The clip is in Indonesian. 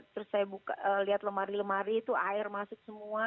terus saya buka lihat lemari lemari itu air masuk semua